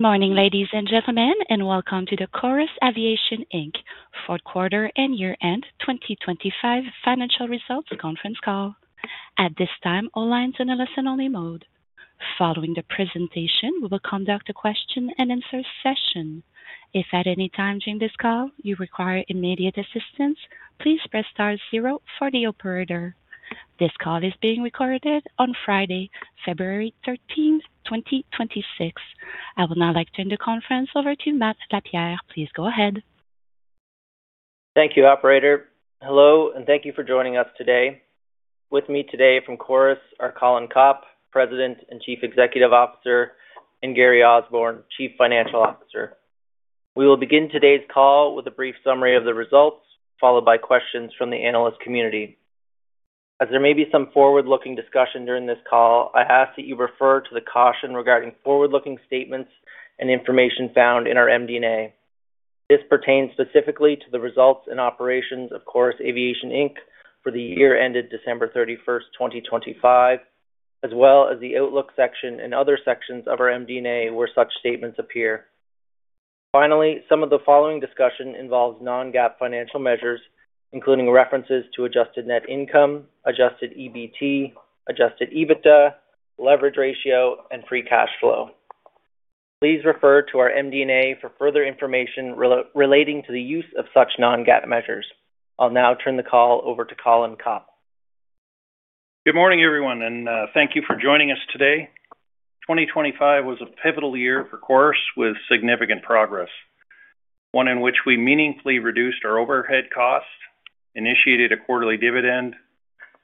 Morning, ladies and gentlemen, and welcome to the Chorus Aviation Inc. fourth quarter and year end 2025 financial results conference call. At this time, all lines in a listen-only mode. Following the presentation, we will conduct a question-and-answer session. If at any time during this call you require immediate assistance, please press star zero for the operator. This call is being recorded on Friday, February 13, 2026. I would now like to turn the conference over to Matt LaPierre. Please go ahead. Thank you, operator. Hello, and thank you for joining us today. With me today from Chorus are Colin Copp, President and Chief Executive Officer, and Gary Osborne, Chief Financial Officer. We will begin today's call with a brief summary of the results, followed by questions from the analyst community. As there may be some forward-looking discussion during this call, I ask that you refer to the caution regarding forward-looking statements and information found in our MD&A. This pertains specifically to the results and operations of Chorus Aviation Inc. for the year ended December 31, 2025, as well as the Outlook section and other sections of our MD&A, where such statements appear. Finally, some of the following discussion involves non-GAAP financial measures, including references to adjusted net income, Adjusted EBT, Adjusted EBITDA, leverage ratio, and free cash flow. Please refer to our MD&A for further information relating to the use of such non-GAAP measures. I'll now turn the call over to Colin Copp. Good morning, everyone, and thank you for joining us today. 2025 was a pivotal year for Chorus, with significant progress, one in which we meaningfully reduced our overhead costs, initiated a quarterly dividend,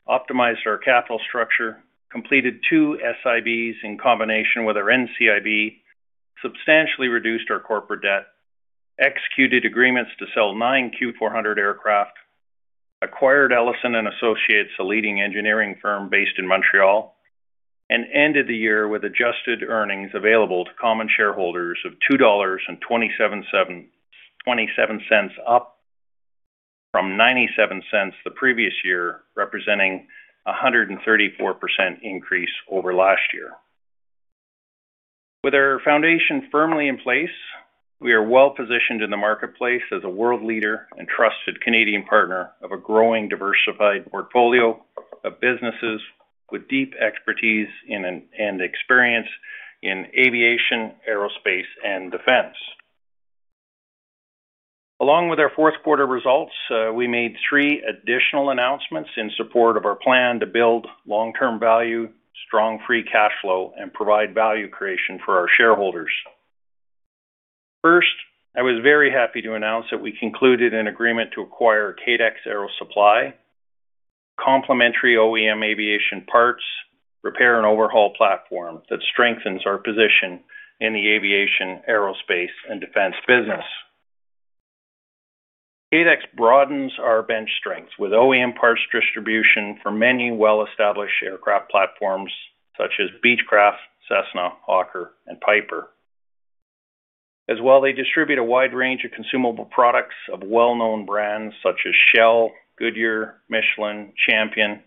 optimized our capital structure, completed 2 SIBs in combination with our NCIB, substantially reduced our corporate debt, executed agreements to sell 9 Q400 aircraft, acquired Elisen & Associates, a leading engineering firm based in Montreal, and ended the year with adjusted earnings available to common shareholders of 2.27 dollars, up from 0.97 the previous year, representing a 134% increase over last year. With our foundation firmly in place, we are well-positioned in the marketplace as a world leader and trusted Canadian partner of a growing, diversified portfolio of businesses with deep expertise and experience in aviation, aerospace, and defense. Along with our fourth quarter results, we made three additional announcements in support of our plan to build long-term value, strong free cash flow, and provide value creation for our shareholders. First, I was very happy to announce that we concluded an agreement to acquire Kadex Aero Supply, a complementary OEM aviation parts, repair and overhaul platform that strengthens our position in the aviation, aerospace, and defense business. Kadex broadens our bench strength with OEM parts distribution for many well-established aircraft platforms such as Beechcraft, Cessna, Hawker, and Piper. As well, they distribute a wide range of consumable products of well-known brands such as Shell, Goodyear, Michelin, Champion,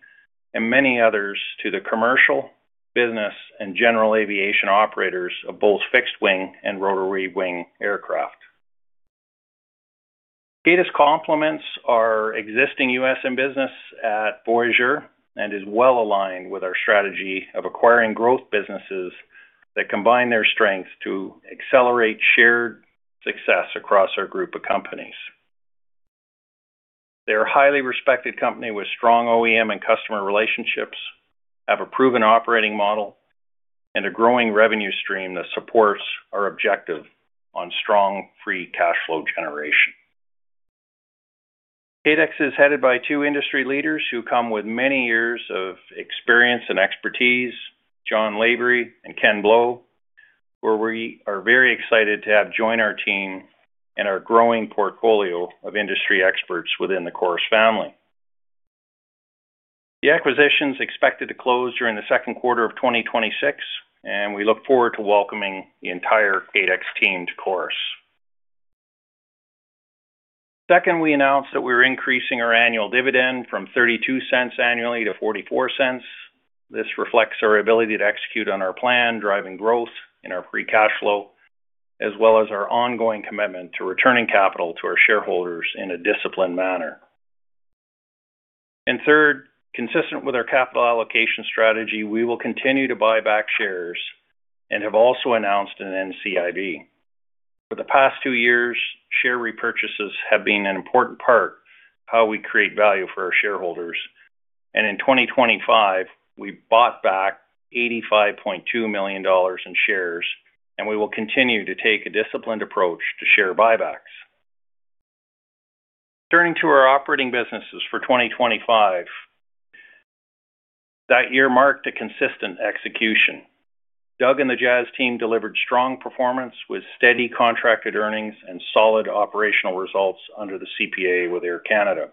and many others, to the commercial, business, and general aviation operators of both fixed-wing and rotary-wing aircraft. Kadex complements our existing USM business at Voyageur and is well-aligned with our strategy of acquiring growth businesses that combine their strengths to accelerate shared success across our group of companies. They're a highly respected company with strong OEM and customer relationships, have a proven operating model and a growing revenue stream that supports our objective on strong free cash flow generation. Kadex is headed by two industry leaders who come with many years of experience and expertise, John Labrie and Ken Blow, where we are very excited to have joined our team and our growing portfolio of industry experts within the Chorus family. The acquisition is expected to close during the second quarter of 2026, and we look forward to welcoming the entire Kadex team to Chorus. Second, we announced that we're increasing our annual dividend from 0.32 annually to 0.44. This reflects our ability to execute on our plan, driving growth in our free cash flow, as well as our ongoing commitment to returning capital to our shareholders in a disciplined manner. Third, consistent with our capital allocation strategy, we will continue to buy back shares and have also announced an NCIB. For the past two years, share repurchases have been an important part of how we create value for our shareholders, and in 2025, we bought back 85.2 million dollars in shares, and we will continue to take a disciplined approach to share buybacks. Turning to our operating businesses for 2025, that year marked a consistent execution. Doug and the Jazz team delivered strong performance with steady contracted earnings and solid operational results under the CPA with Air Canada.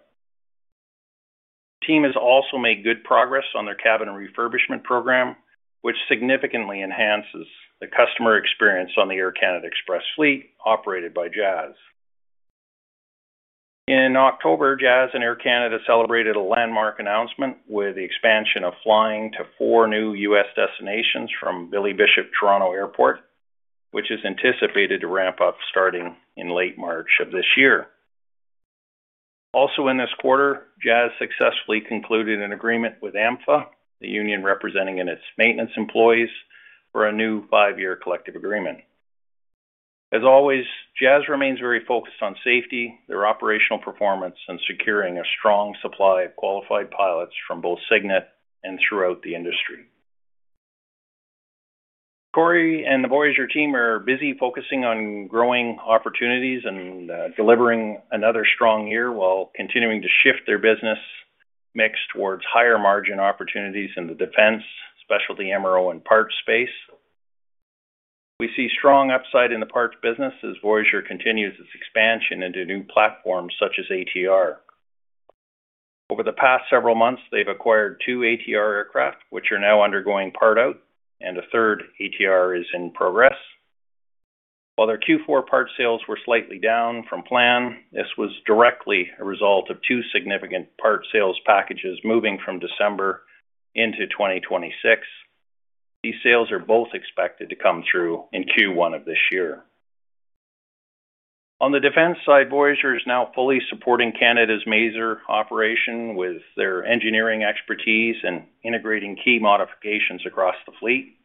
The team has also made good progress on their cabin refurbishment program, which significantly enhances the customer experience on the Air Canada Express fleet operated by Jazz in October, Jazz and Air Canada celebrated a landmark announcement with the expansion of flying to four new U.S. destinations from Billy Bishop Toronto Airport, which is anticipated to ramp up starting in late March of this year. Also in this quarter, Jazz successfully concluded an agreement with AMFA, the union representing its maintenance employees, for a new five-year collective agreement. As always, Jazz remains very focused on safety, their operational performance, and securing a strong supply of qualified pilots from both Cygnet and throughout the industry. Cor y and the Voyageur team are busy focusing on growing opportunities and delivering another strong year, while continuing to shift their business mix towards higher margin opportunities in the defense, specialty MRO and parts space. We see strong upside in the parts business as Voyageur continues its expansion into new platforms such as ATR. Over the past several months, they've acquired two ATR aircraft, which are now undergoing part out, and a third ATR is in progress. While their Q4 part sales were slightly down from plan, this was directly a result of two significant part sales packages moving from December into 2026. These sales are both expected to come through in Q1 of this year. On the defense side, Voyageur is now fully supporting Canada's MAISR operation with their engineering expertise and integrating key modifications across the fleet.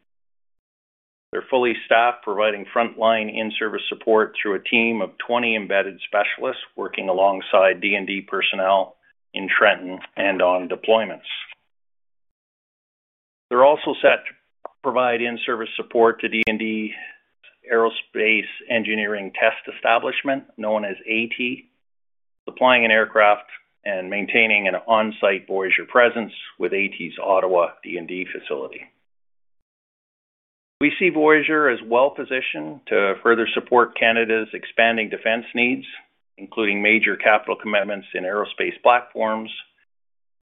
They're fully staffed, providing frontline in-service support through a team of 20 embedded specialists working alongside DND personnel in Trenton and on deployments. They're also set to provide in-service support to DND Aerospace Engineering Test Establishment, known as AETE, supplying an aircraft and maintaining an on-site Voyageur presence with AETE's Ottawa DND facility. We see Voyageur as well-positioned to further support Canada's expanding defense needs, including major capital commitments in aerospace platforms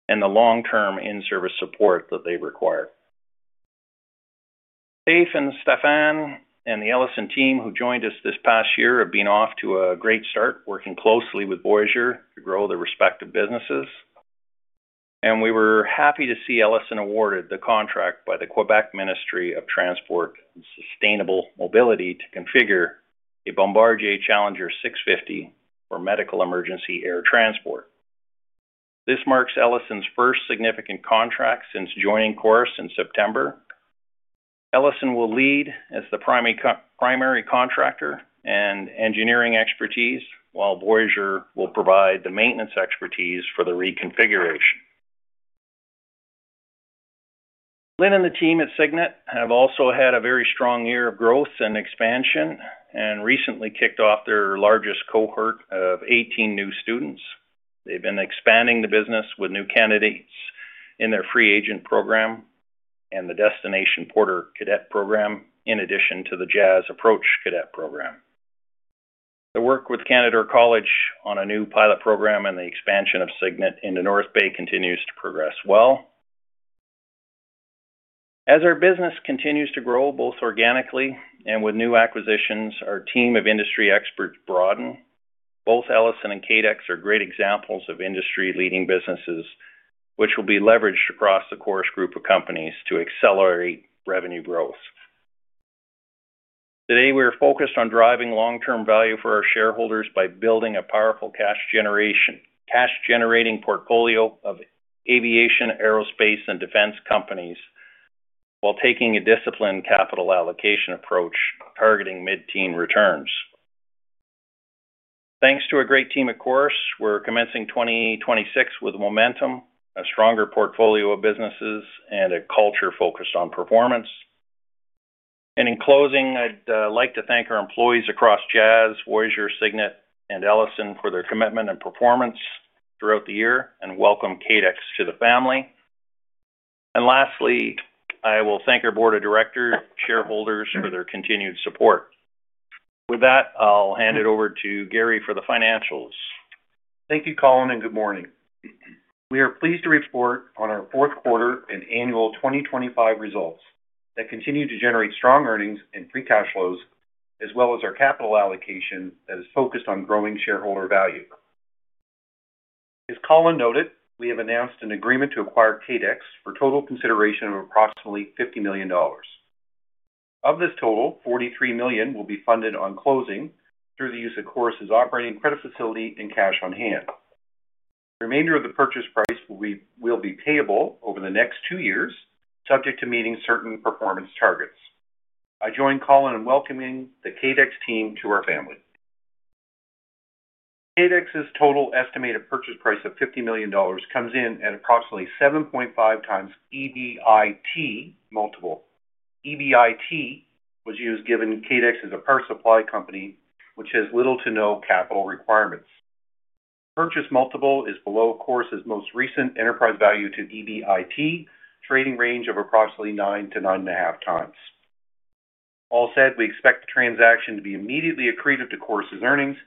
and the long-term in-service support that they require. Dave and Stefan and the Elisen team, who joined us this past year, have been off to a great start working closely with Voyageur to grow their respective businesses, and we were happy to see Elisen awarded the contract by the Quebec Ministry of Transport and Sustainable Mobility to configure a Bombardier Challenger 650 for medical emergency air transport. This marks Elisen's first significant contract since joining Chorus in September. Elisen will lead as the primary co-primary contractor and engineering expertise, while Voyageur will provide the maintenance expertise for the reconfiguration. Lynn and the team at Cygnet have also had a very strong year of growth and expansion and recently kicked off their largest cohort of 18 new students. They've been expanding the business with new candidates in their free agent program and the Destination Porter Cadet program, in addition to the Jazz Approach Cadet program. The work with Canadore College on a new pilot program and the expansion of Cygnet into North Bay continues to progress well. As our business continues to grow, both organically and with new acquisitions, our team of industry experts broaden. Both Elisen and Kadex are great examples of industry-leading businesses, which will be leveraged across the Chorus group of companies to accelerate revenue growth. Today, we are focused on driving long-term value for our shareholders by building a powerful cash generation- cash-generating portfolio of aviation, aerospace, and defense companies, while taking a disciplined capital allocation approach, targeting mid-teen returns. Thanks to a great team at Chorus, we're commencing 2026 with momentum, a stronger portfolio of businesses, and a culture focused on performance. In closing, I'd like to thank our employees across Jazz, Voyageur, Cygnet, and Elisen for their commitment and performance throughout the year, and welcome Kadex to the family. Lastly, I will thank our board of directors, shareholders for their continued support. With that, I'll hand it over to Gary for the financials. Thank you, Colin, and good morning. We are pleased to report on our fourth quarter and annual 2025 results that continue to generate strong earnings and free cash flows, as well as our capital allocation that is focused on growing shareholder value. As Colin noted, we have announced an agreement to acquire Kadex for total consideration of approximately 50 million dollars. Of this total, 43 million will be funded on closing through the use of Chorus's operating credit facility and cash on hand. The remainder of the purchase price will be payable over the next two years, subject to meeting certain performance targets. I join Colin in welcoming the Kadex team to our family. Kadex's total estimated purchase price of 50 million dollars comes in at approximately 7.5x EBIT multiple. EBIT was used given Kadex is a power supply company which has little to no capital requirements. Purchase multiple is below Chorus's most recent enterprise value to EBIT, trading range of approximately 9-9.5 times. All said, we expect the transaction to be immediately accretive to Chorus's earnings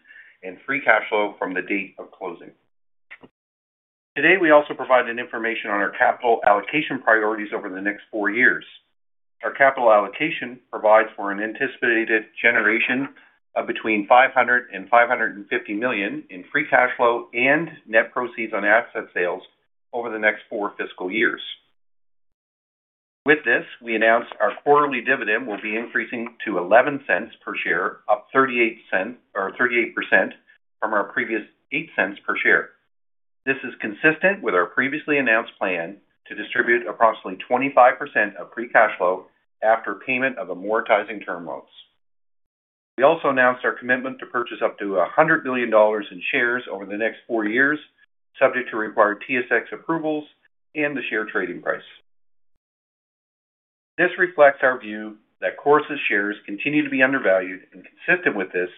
and free cash flow from the date of closing. Today, we also provided information on our capital allocation priorities over the next four years. Our capital allocation provides for an anticipated generation of between 500 million and 550 million in free cash flow and net proceeds on asset sales over the next four fiscal years. With this, we announced our quarterly dividend will be increasing to 0.11 per share, up 0.38 or 38% from our previous 0.08 per share. This is consistent with our previously announced plan to distribute approximately 25% of free cash flow after payment of amortizing term loans. We also announced our commitment to purchase up to 100 million dollars in shares over the next four years, subject to required TSX approvals and the share trading price. This reflects our view that Chorus's shares continue to be undervalued, and consistent with this,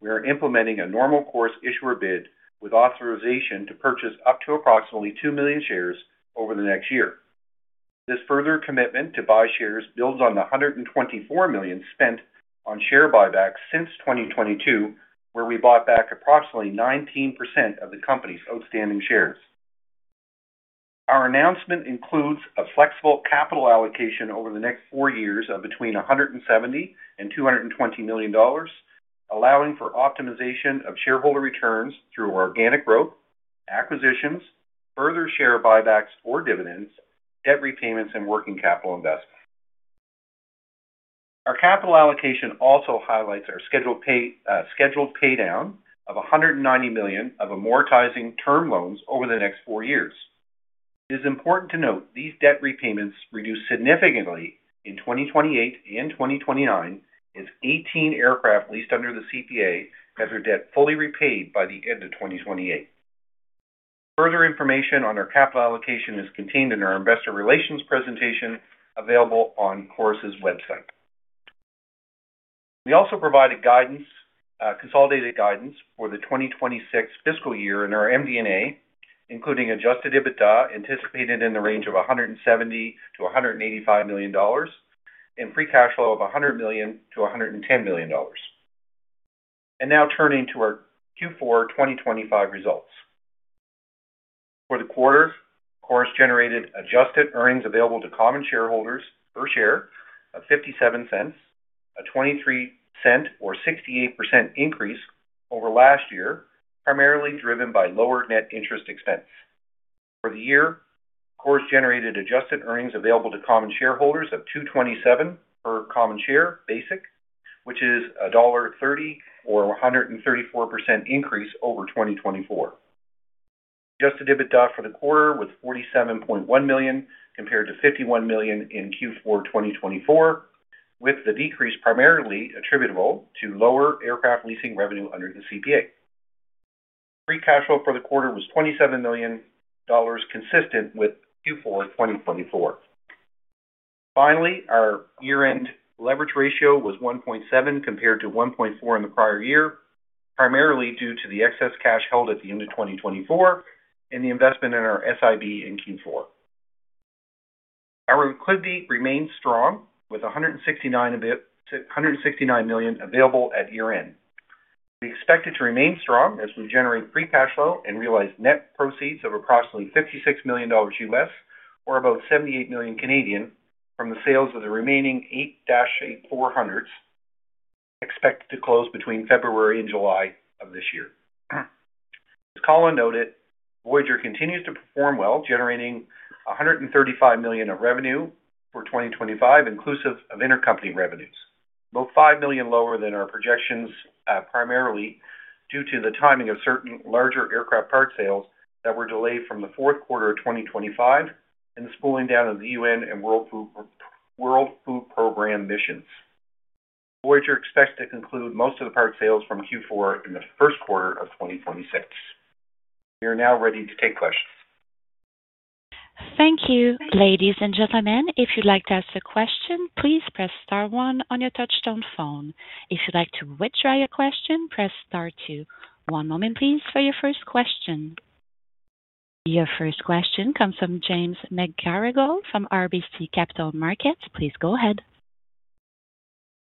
we are implementing a normal course issuer bid with authorization to purchase up to approximately 2 million shares over the next year. This further commitment to buy shares builds on the 124 million spent on share buybacks since 2022, where we bought back approximately 19% of the company's outstanding shares. Our announcement includes a flexible capital allocation over the next four years of between 170 million and 220 million dollars, allowing for optimization of shareholder returns through organic growth, acquisitions, further share buybacks or dividends, debt repayments, and working capital investments. Our capital allocation also highlights our scheduled pay down of 190 million of amortizing term loans over the next four years. It is important to note these debt repayments reduce significantly in 2028 and 2029, as 18 aircraft leased under the CPA have their debt fully repaid by the end of 2028. Further information on our capital allocation is contained in our investor relations presentation, available on Chorus's website. We also provided guidance, consolidated guidance for the 2026 fiscal year in our MD&A, including Adjusted EBITDA, anticipated in the range of 170 million-185 million dollars, and free cash flow of 100 million-110 million dollars. Now turning to our Q4 2025 results. For the quarter, Chorus generated adjusted earnings available to common shareholders per share of 0.57, a 0.23 or 68% increase over last year, primarily driven by lower net interest expense. For the year, Chorus generated adjusted earnings available to common shareholders of 2.27 per common share basic, which is a dollar 1.30 or 134% increase over 2024. Adjusted EBITDA for the quarter was 47.1 million, compared to 51 million in Q4 2024, with the decrease primarily attributable to lower aircraft leasing revenue under the CPA. Free cash flow for the quarter was 27 million dollars, consistent with Q4 2024. Finally, our year-end leverage ratio was 1.7, compared to 1.4 in the prior year, primarily due to the excess cash held at the end of 2024 and the investment in our SIB in Q4. Our liquidity remains strong, with 169 million available at year-end. We expect it to remain strong as we generate free cash flow and realize net proceeds of approximately $56 million, or about 78 million Canadian dollars, from the sales of the remaining eight Dash 8-400s, expected to close between February and July of this year. As Colin noted, Voyageur continues to perform well, generating 135 million of revenue for 2025, inclusive of intercompany revenues, about 5 million lower than our projections, primarily due to the timing of certain larger aircraft parts sales that were delayed from the fourth quarter of 2025 and the spooling down of the UN and World Food, World Food Program missions. Voyageur expects to conclude most of the parts sales from Q4 in the first quarter of 2026. We are now ready to take questions. Thank you. Ladies and gentlemen, if you'd like to ask a question, please press star one on your touchtone phone. If you'd like to withdraw your question, press star two. One moment please, for your first question. Your first question comes from James McGarragle from RBC Capital Markets. Please go ahead.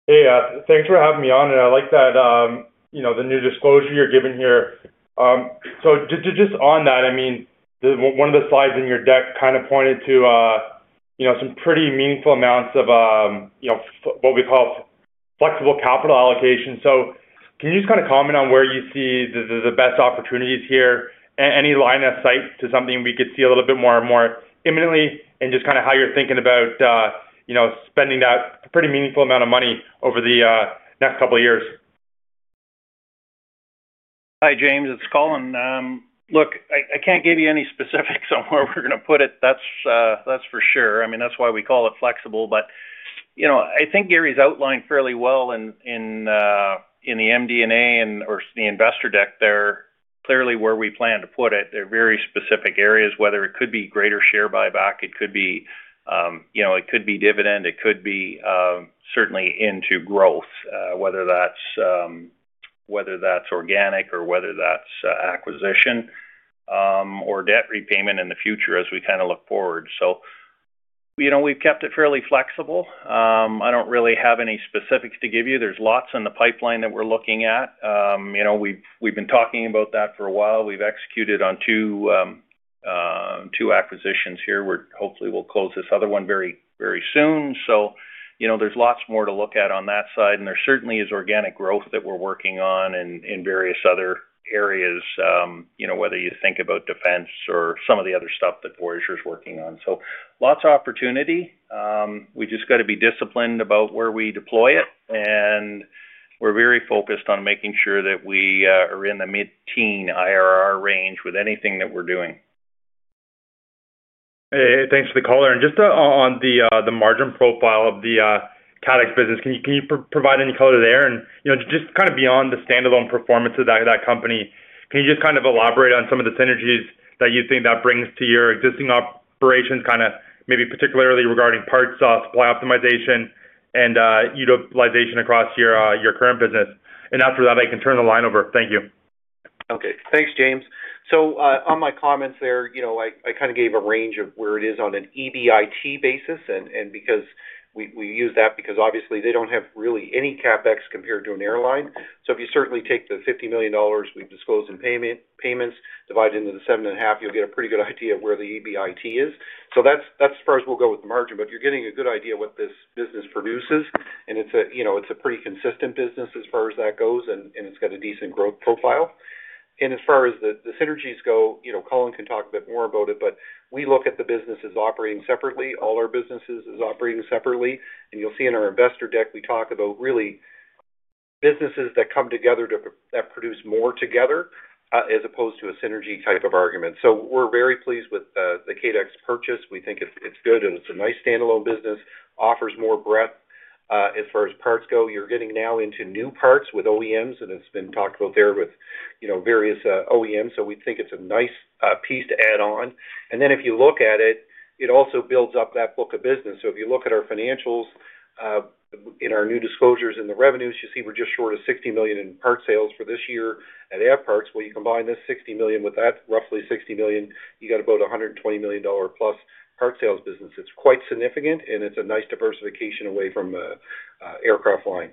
Hey, thanks for having me on, and I like that, you know, the new disclosure you're giving here. So just on that, I mean, the one of the slides in your deck kind of pointed to, you know, some pretty meaningful amounts of, you know, what we call flexible capital allocation. So can you just kind of comment on where you see the best opportunities here? Any line of sight to something we could see a little bit more and more imminently, and just kind of how you're thinking about, you know, spending that pretty meaningful amount of money over the next couple of years. Hi, James, it's Colin. Look, I can't give you any specifics on where we're gonna put it. That's, that's for sure. I mean, that's why we call it flexible. But, you know, I think Gary's outlined fairly well in the MD&A and/or the investor deck there, clearly where we plan to put it. They're very specific areas, whether it could be greater share buyback, it could be, you know, it could be dividend, it could be, certainly into growth, whether that's, whether that's organic or whether that's, acquisition, or debt repayment in the future as we kind of look forward. So- You know, we've kept it fairly flexible. I don't really have any specifics to give you. There's lots in the pipeline that we're looking at. You know, we've been talking about that for a while. We've executed on 2 acquisitions here, where hopefully we'll close this other one very, very soon. So, you know, there's lots more to look at on that side, and there certainly is organic growth that we're working on in various other areas. You know, whether you think about defense or some of the other stuff that Voyageur is working on. So lots of opportunity. We just got to be disciplined about where we deploy it, and we're very focused on making sure that we are in the mid-teen IRR range with anything that we're doing. Hey, thanks for the call. And just, on the, the margin profile of the, Kadex business, can you, can you provide any color there? And, you know, just kind of beyond the standalone performance of that, that company, can you just kind of elaborate on some of the synergies that you think that brings to your existing operations, kind of maybe particularly regarding parts, supply optimization and, utilization across your, your current business? And after that, I can turn the line over. Thank you. Okay. Thanks, James. So, on my comments there, you know, I kind of gave a range of where it is on an EBIT basis, and because we use that because obviously they don't have really any CapEx compared to an airline. So if you certainly take the 50 million dollars we've disclosed in payments, divide it into the 7.5, you'll get a pretty good idea of where the EBIT is. So that's as far as we'll go with the margin, but you're getting a good idea of what this business produces, and it's a, you know, it's a pretty consistent business as far as that goes, and it's got a decent growth profile. And as far as the synergies go, you know, Colin can talk a bit more about it, but we look at the business as operating separately. All our businesses is operating separately, and you'll see in our investor deck, we talk about really businesses that come together to that produce more together, as opposed to a synergy type of argument. So we're very pleased with the Kadex purchase. We think it's good, and it's a nice standalone business, offers more breadth. As far as parts go, you're getting now into new parts with OEMs, and it's been talked about there with, you know, various OEMs. So we think it's a nice piece to add on. And then if you look at it, it also builds up that book of business. So if you look at our financials, in our new disclosures in the revenues, you see we're just short of 60 million in parts sales for this year at parts. When you combine this 60 million with that, roughly 60 million, you got about a 120 million dollar+ parts sales business. It's quite significant, and it's a nice diversification away from aircraft line.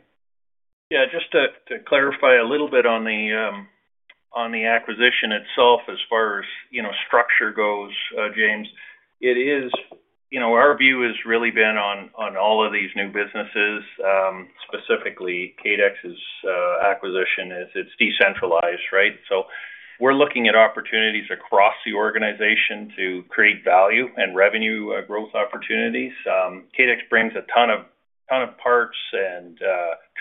Yeah, just to clarify a little bit on the acquisition itself, as far as, you know, structure goes, James, it is. You know, our view has really been on all of these new businesses, specifically Kadex's acquisition. It's decentralized, right? So we're looking at opportunities across the organization to create value and revenue growth opportunities. Kadex brings a ton of parts and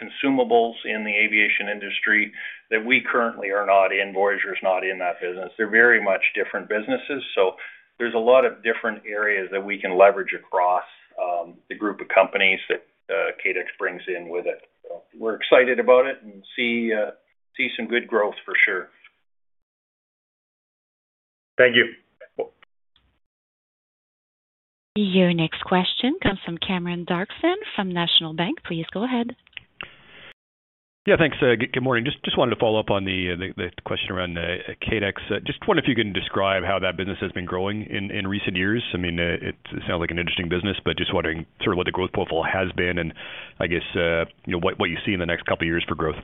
consumables in the aviation industry that we currently are not in. Voyageur is not in that business. They're very much different businesses. So there's a lot of different areas that we can leverage across the group of companies that Kadex brings in with it. We're excited about it and see some good growth for sure. Thank you. Your next question comes from Cameron Doerksen from National Bank. Please go ahead. Yeah, thanks. Good morning. Just wanted to follow up on the question around Kadex. Just wonder if you can describe how that business has been growing in recent years. I mean, it sounds like an interesting business, but just wondering sort of what the growth profile has been, and I guess, you know, what you see in the next couple of years for growth.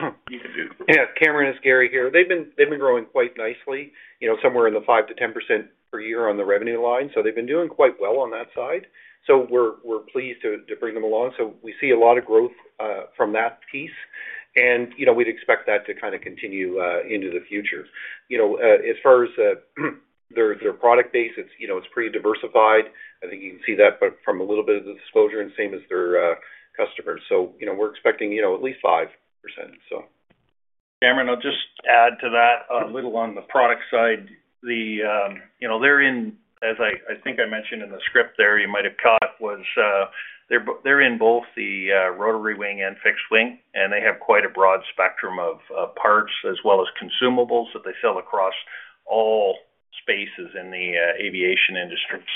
Yeah, Cameron, it's Gary here. They've been growing quite nicely, you know, somewhere in the 5%-10% per year on the revenue line, so they've been doing quite well on that side. So we're pleased to bring them along. So we see a lot of growth from that piece, and, you know, we'd expect that to kind of continue into the future. You know, as far as their product base, it's, you know, it's pretty diversified. I think you can see that, but from a little bit of the disclosure and same as their customers. So, you know, we're expecting, you know, at least 5%, so. Cameron, I'll just add to that a little on the product side. The, you know, they're in. As I think I mentioned in the script there, you might have caught, they're in both the rotary wing and fixed wing, and they have quite a broad spectrum of parts as well as consumables that they sell across all spaces in the aviation industry.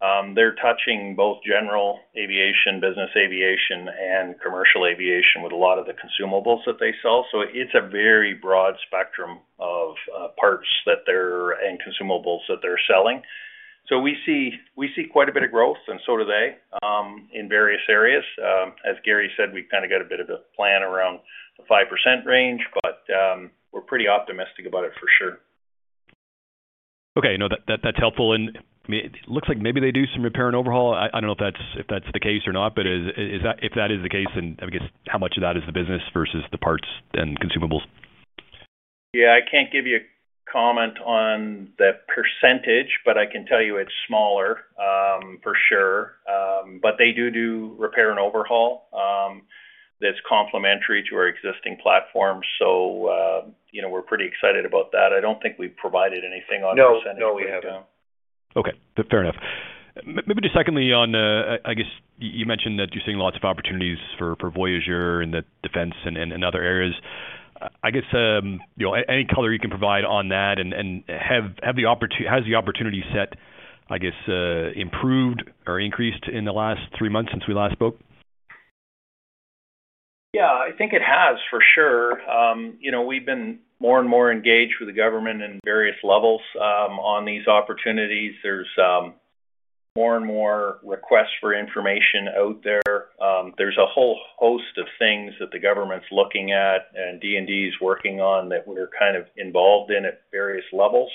So, they're touching both general aviation, business aviation, and commercial aviation with a lot of the consumables that they sell. So it's a very broad spectrum of parts that they're, and consumables that they're selling. So we see quite a bit of growth, and so do they, in various areas. As Gary said, we've kind of got a bit of a plan around the 5% range, but, we're pretty optimistic about it for sure. Okay. No, that's helpful. I mean, it looks like maybe they do some repair and overhaul. I don't know if that's the case or not, but is that? If that is the case, then I guess how much of that is the business versus the parts and consumables? Yeah, I can't give you a comment on the percentage, but I can tell you it's smaller, for sure. But they do do repair and overhaul, that's complementary to our existing platform. So, you know, we're pretty excited about that. I don't think we've provided anything on percentage. No, no, we haven't. Okay, fair enough. Maybe just secondly, on, I guess you mentioned that you're seeing lots of opportunities for Voyageur and the defense and other areas. I guess, you know, any color you can provide on that and have the opportunity set, I guess, improved or increased in the last three months since we last spoke? Yeah, I think it has, for sure. You know, we've been more and more engaged with the government in various levels, on these opportunities. There's more and more requests for information out there. There's a whole host of things that the government's looking at, and DND is working on that we're kind of involved in at various levels.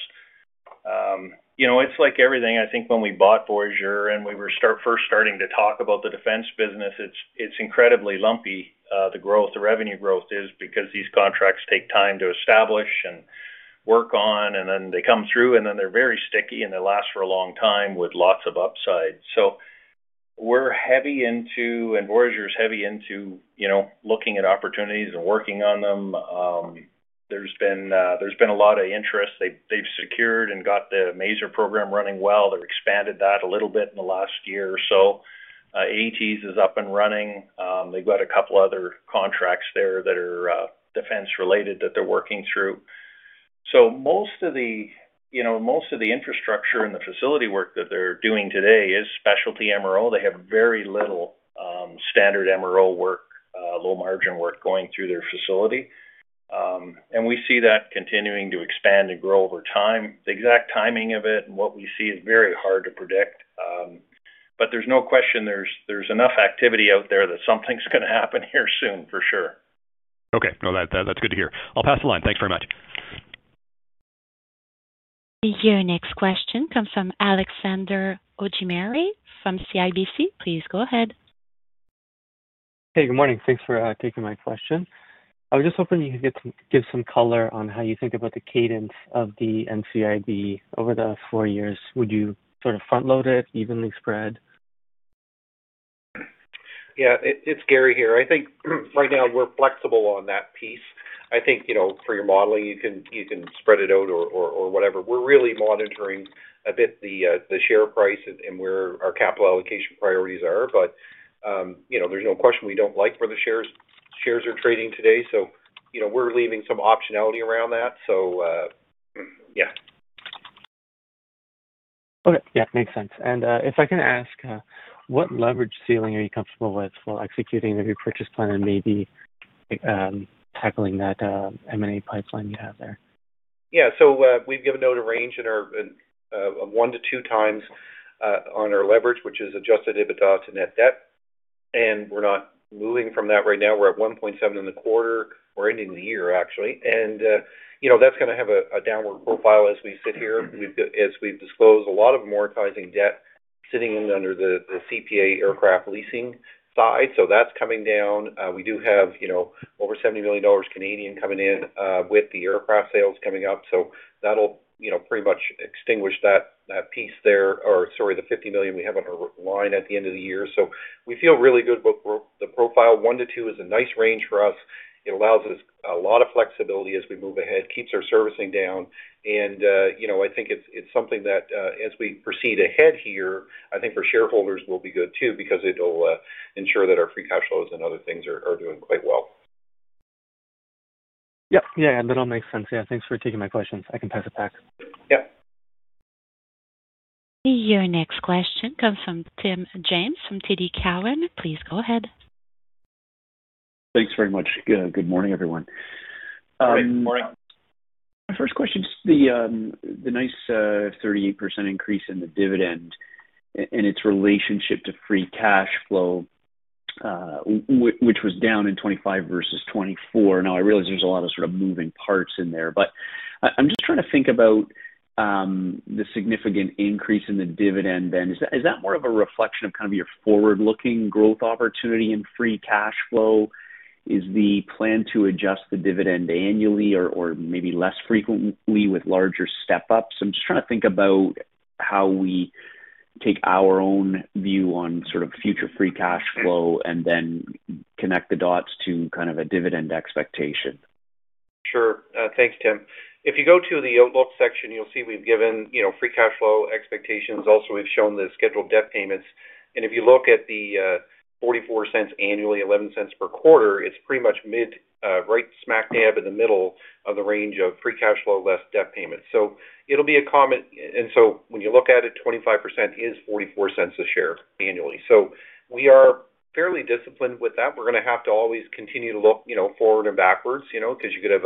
You know, it's like everything, I think when we bought Voyageur, and we were first starting to talk about the defense business, it's incredibly lumpy, the growth, the revenue growth is because these contracts take time to establish and work on, and then they come through, and then they're very sticky, and they last for a long time with lots of upside. So we're heavy into, and Voyageur is heavy into, you know, looking at opportunities and working on them. There's been a lot of interest. They've secured and got the major program running well. They've expanded that a little bit in the last year or so. ATS is up and running. They've got a couple other contracts there that are defense-related, that they're working through. So most of the, you know, most of the infrastructure and the facility work that they're doing today is specialty MRO. They have very little standard MRO work, low margin work going through their facility. And we see that continuing to expand and grow over time. The exact timing of it and what we see is very hard to predict, but there's no question there's enough activity out there that something's gonna happen here soon, for sure. Okay. Well, that's good to hear. I'll pass the line. Thanks very much. Your next question comes from Alexander Augimeri from CIBC. Please go ahead. Hey, good morning. Thanks for taking my question. I was just hoping you could get some, give some color on how you think about the cadence of the NCIB over the four years. Would you sort of front-load it, evenly spread? Yeah, it's Gary here. I think right now we're flexible on that piece. I think, you know, for your modeling, you can, you can spread it out or whatever. We're really monitoring a bit the share price and where our capital allocation priorities are. But, you know, there's no question we don't like where the shares are trading today, so, you know, we're leaving some optionality around that. So, yeah. Okay. Yeah, makes sense. If I can ask, what leverage ceiling are you comfortable with while executing the new purchase plan and maybe tackling that M&A pipeline you have there? Yeah. So, we've given out a range in our 1-2 times on our leverage, which is Adjusted EBITDA to net debt, and we're not moving from that right now. We're at 1.7 in the quarter or ending the year, actually. And, you know, that's gonna have a downward profile as we sit here. We've got as we've disclosed, a lot of amortizing debt sitting under the CPA aircraft leasing side, so that's coming down. We do have, you know, over 70 million Canadian dollars coming in with the aircraft sales coming up. So that'll, you know, pretty much extinguish that piece there, or sorry, the 50 million we have on our line at the end of the year. So we feel really good about with the profile. 1-2 is a nice range for us. It allows us a lot of flexibility as we move ahead, keeps our servicing down, and, you know, I think it's something that, as we proceed ahead here, I think for shareholders will be good too, because it'll ensure that our free cash flows and other things are doing quite well. Yeah. Yeah, that all makes sense. Yeah, thanks for taking my questions. I can pass it back. Yeah. Your next question comes from Tim James, from TD Cowen. Please go ahead. Thanks very much. Good morning, everyone. Good morning. My first question, just the nice 38% increase in the dividend and its relationship to free cash flow, which was down in 2025 versus 2024. Now, I realize there's a lot of sort of moving parts in there, but I'm just trying to think about the significant increase in the dividend then. Is that more of a reflection of kind of your forward-looking growth opportunity in free cash flow? Is the plan to adjust the dividend annually or maybe less frequently with larger step-ups? I'm just trying to think about how we take our own view on sort of future free cash flow, and then connect the dots to kind of a dividend expectation. Sure. Thanks, Tim. If you go to the outlook section, you'll see we've given, you know, free cash flow expectations. Also, we've shown the scheduled debt payments, and if you look at the 0.44 annually, 0.11 per quarter, it's pretty much mid right smack dab in the middle of the range of free cash flow, less debt payments. So it'll be a common. And so when you look at it, 25% is 0.44 a share annually. So we are fairly disciplined with that. We're gonna have to always continue to look, you know, forward and backwards, you know, because you could have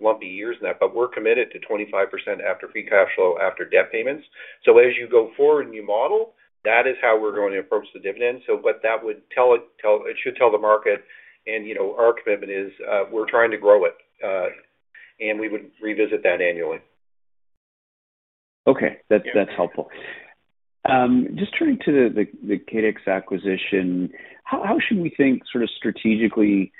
lumpy years in that, but we're committed to 25% after free cash flow, after debt payments. So as you go forward and you model, that is how we're going to approach the dividend. But that would tell it. It should tell the market, and, you know, our commitment is, we're trying to grow it, and we would revisit that annually. Okay. That's, that's helpful. Just turning to the, the Kadex acquisition, how, how should we think sort of strategically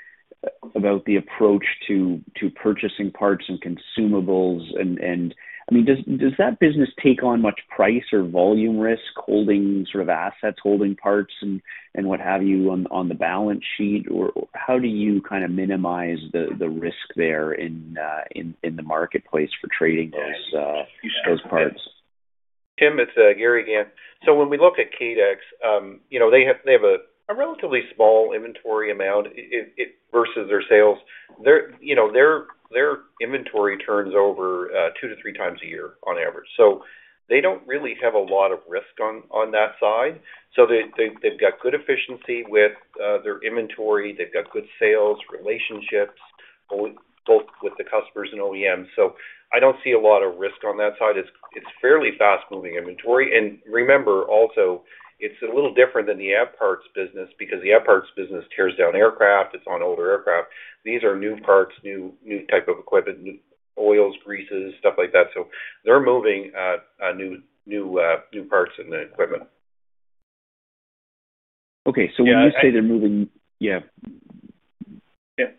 about the approach to, to purchasing parts and consumables? And, and I mean, does, does that business take on much price or volume risk, holding sort of assets, holding parts and, and what have you, on, on the balance sheet? Or how do you kind of minimize the, the risk there in, in, in the marketplace for trading those, those parts? Tim, it's Gary again. So when we look at Kadex, you know, they have a relatively small inventory amount versus their sales. Their, you know, their inventory turns over 2-3 times a year on average. So they don't really have a lot of risk on that side. So they've got good efficiency with their inventory. They've got good sales relationships, both with the customers and OEMs. So I don't see a lot of risk on that side. It's fairly fast-moving inventory. And remember, also, it's a little different than the parts business, because the parts business tears down aircraft. It's on older aircraft. These are new parts, new type of equipment, new oils, greases, stuff like that. So they're moving new parts and equipment. Okay. So when you say they're moving. Yeah. Yeah.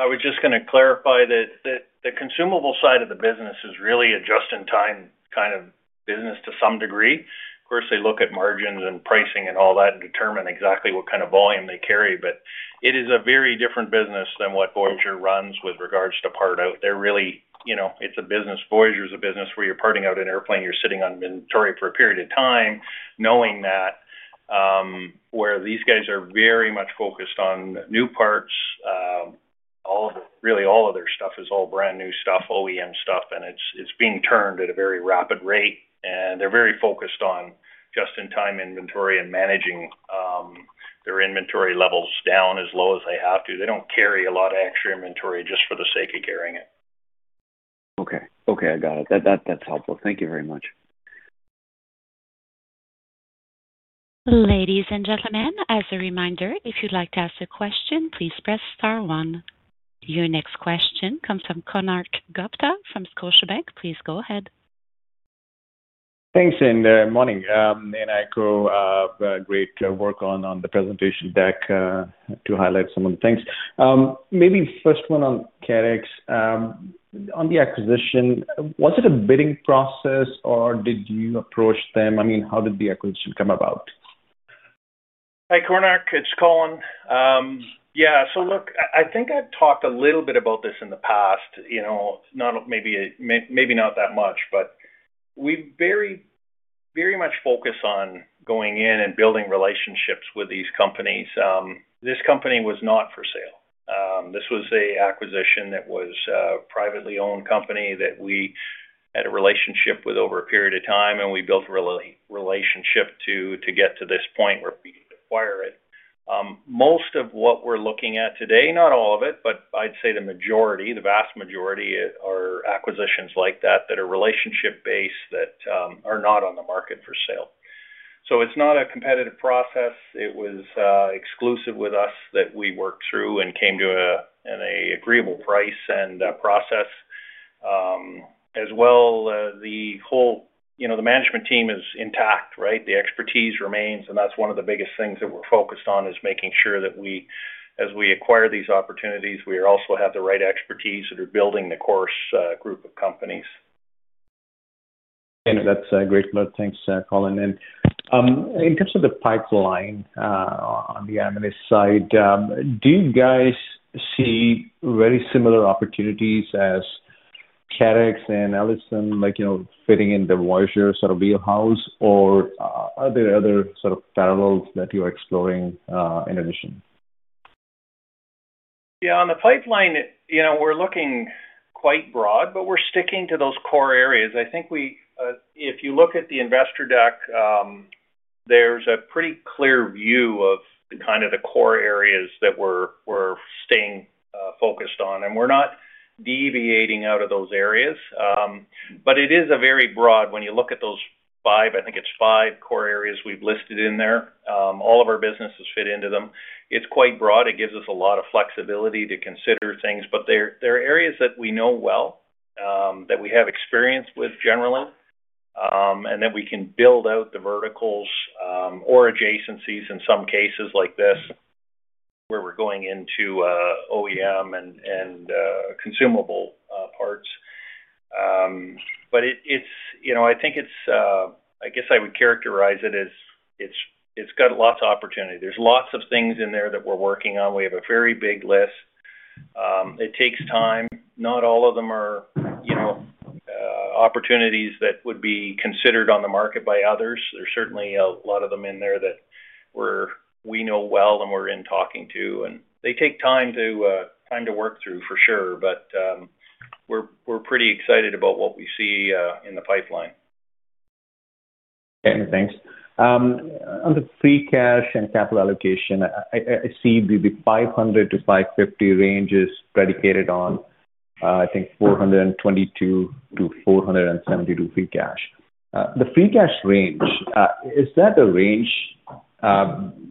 I was just gonna clarify that the consumable side of the business is really a just-in-time kind of business to some degree. Of course, they look at margins and pricing and all that, and determine exactly what kind of volume they carry, but it is a very different business than what Voyageur runs with regards to part out. They're really, you know, it's a business - Voyageur is a business where you're parting out an airplane, you're sitting on inventory for a period of time, knowing that, where these guys are very much focused on new parts, all of the - really, all of their stuff is all brand-new stuff, OEM stuff, and it's being turned at a very rapid rate, and they're very focused on just-in-time inventory and managing their inventory levels down as low as they have to. They don't carry a lot of extra inventory just for the sake of carrying it. Okay. Okay, I got it. That, that's helpful. Thank you very much. Ladies and gentlemen, as a reminder, if you'd like to ask a question, please press star one. Your next question comes from Konark Gupta from Scotiabank. Please go ahead. Thanks, and morning, and I go, great work on the presentation deck to highlight some of the things. Maybe first one on Kadex. On the acquisition, was it a bidding process, or did you approach them? I mean, how did the acquisition come about? Hi, Konark, it's Colin. Yeah, so look, I think I've talked a little bit about this in the past, you know, not maybe not that much, but we very, very much focus on going in and building relationships with these companies. This company was not for sale. This was an acquisition that was a privately owned company that we had a relationship with over a period of time, and we built a relationship to get to this point where we could acquire it. Most of what we're looking at today, not all of it, but I'd say the majority, the vast majority, are acquisitions like that that are relationship-based that are not on the market for sale. So it's not a competitive process. It was exclusive with us that we worked through and came to an agreeable price and process. As well, the whole, you know, the management team is intact, right? The expertise remains, and that's one of the biggest things that we're focused on, is making sure that we, as we acquire these opportunities, we also have the right expertise that are building the Chorus group of companies. That's great. Well, thanks, Colin. In terms of the pipeline, on the admin side, do you guys see very similar opportunities as Kadex and Elisen, like, you know, fitting in the Voyageur sort of wheelhouse, or are there other sort of parallels that you're exploring, in addition? Yeah, on the pipeline, you know, we're looking quite broad, but we're sticking to those core areas. I think we, if you look at the investor deck, there's a pretty clear view of kind of the core areas that we're staying focused on, and we're not deviating out of those areas. But it is a very broad when you look at those five, I think it's five core areas we've listed in there. All of our businesses fit into them. It's quite broad. It gives us a lot of flexibility to consider things, but they're areas that we know well, that we have experience with generally, and that we can build out the verticals, or adjacencies in some cases like this, where we're going into OEM and consumable parts. But it, it's You know, I think it's, I guess I would characterize it as it's got lots of opportunity. There's lots of things in there that we're working on. We have a very big list. It takes time. Not all of them are, you know, opportunities that would be considered on the market by others. There's certainly a lot of them in there that we know well and we're talking to, and they take time to work through, for sure, but we're pretty excited about what we see in the pipeline. Okay, thanks. On the free cash and capital allocation, I see the 500-550 range is predicated on, I think 422-472 free cash. The free cash range, is that a range,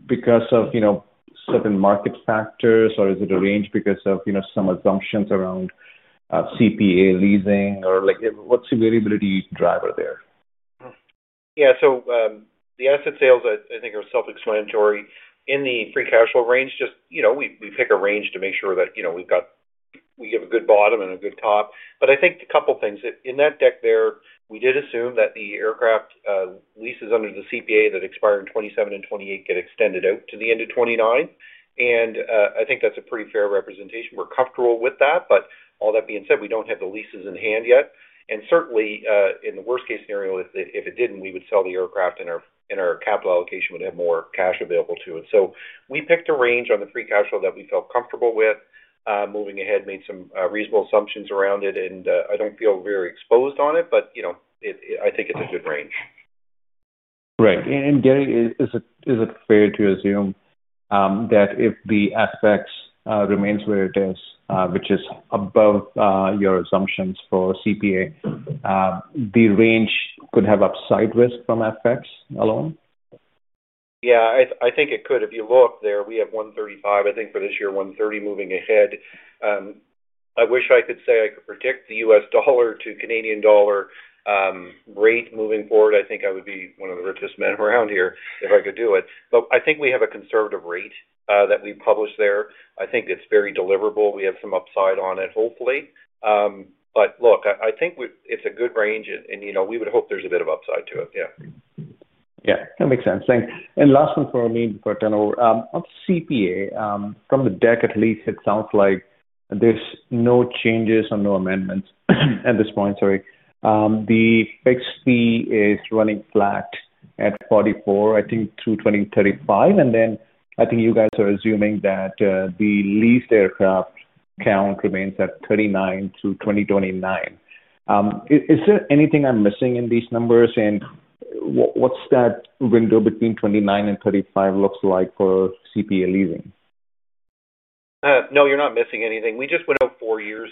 because of, you know, certain market factors, or is it a range because of, you know, some assumptions around, CPA leasing, or, like, what's the variability driver there? Yeah. So, the asset sales I think are self-explanatory. In the free cash flow range, just, you know, we pick a range to make sure that, you know, we've got—we have a good bottom and a good top. But I think a couple things. In that deck there, we did assume that the aircraft leases under the CPA that expire in 2027 and 2028 get extended out to the end of 2029. And I think that's a pretty fair representation. We're comfortable with that, but All that being said, we don't have the leases in hand yet, and certainly, in the worst-case scenario, if it didn't, we would sell the aircraft, and our capital allocation would have more cash available to it. So we picked a range on the free cash flow that we felt comfortable with, moving ahead, made some reasonable assumptions around it, and I don't feel very exposed on it, but, you know, it, I think it's a good range. Right. And, Gary, is it fair to assume that if the FX remains where it is, which is above your assumptions for CPA, the range could have upside risk from FX alone? Yeah, I think it could. If you look there, we have 135, I think, for this year, 130 moving ahead. I wish I could say I could predict the U.S. dollar to Canadian dollar rate moving forward. I think I would be one of the richest men around here if I could do it. But I think we have a conservative rate that we published there. I think it's very deliverable. We have some upside on it, hopefully. But look, I think we - it's a good range, and, you know, we would hope there's a bit of upside to it. Yeah. Yeah, that makes sense. Thanks. Last one for me before I turn over. On CPA, from the deck, at least, it sounds like there's no changes or no amendments at this point. The fixed fee is running flat at 44, I think, through 2035, and then I think you guys are assuming that the leased aircraft count remains at 39 through 2029. Is there anything I'm missing in these numbers? And what's that window between 2029 and 2035 look like for CPA leasing? No, you're not missing anything. We just went out four years,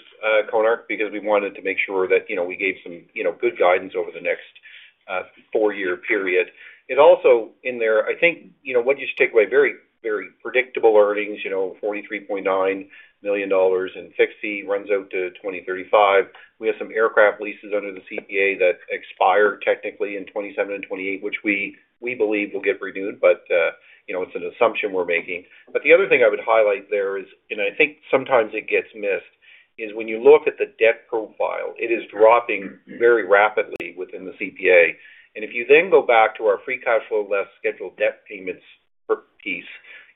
Konark, because we wanted to make sure that, you know, we gave some, you know, good guidance over the next, four year period. It also in there, I think, you know, what you should take away, very, very predictable earnings, you know, 43.9 million dollars, and fixed fee runs out to 2035. We have some aircraft leases under the CPA that expire technically in 2027 and 2028, which we believe will get renewed, but, you know, it's an assumption we're making. But the other thing I would highlight there is, and I think sometimes it gets missed, is when you look at the debt profile, it is dropping very rapidly within the CPA. If you then go back to our free cash flow less scheduled debt payments per piece,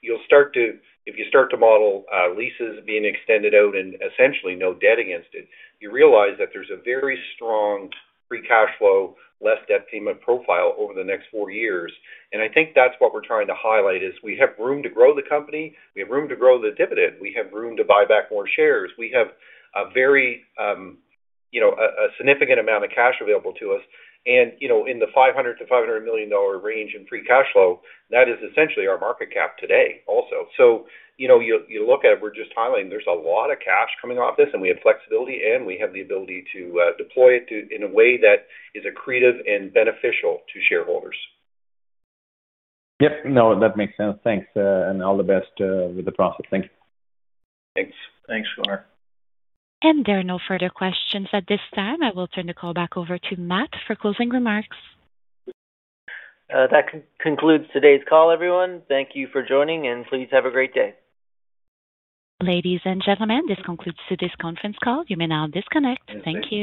you'll start to, if you start to model, leases being extended out and essentially no debt against it, you realize that there's a very strong free cash flow, less debt payment profile over the next four years. I think that's what we're trying to highlight, is we have room to grow the company, we have room to grow the dividend, we have room to buy back more shares. We have a very, you know, a significant amount of cash available to us. You know, in the 500-500 million dollar range in free cash flow, that is essentially our market cap today also. So, you know, you look at it, we're just highlighting there's a lot of cash coming off this, and we have flexibility, and we have the ability to deploy it in a way that is accretive and beneficial to shareholders. Yep. No, that makes sense. Thanks, and all the best, with the process. Thank you. Thanks. Thanks, Konark. There are no further questions at this time. I will turn the call back over to Matt for closing remarks. That concludes today's call, everyone. Thank you for joining, and please have a great day. Ladies and gentlemen, this concludes today's conference call. You may now disconnect. Thank you.